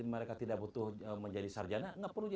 mereka tidak butuh menjadi sarjana tidak perlu